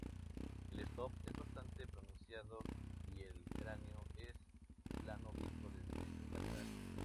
El stop es bastante pronunciado y el cráneo es plano visto desde un lateral.